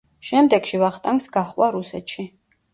შემდეგში ვახტანგს გაჰყვა რუსეთში.